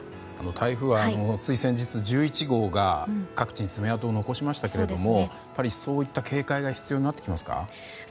台風は、つい先日１１号が各地に爪痕を残しましたけどもそういった警戒が必要になってきますか？